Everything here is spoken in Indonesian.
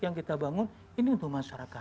yang kita bangun ini untuk masyarakat